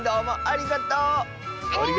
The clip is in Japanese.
ありがとう！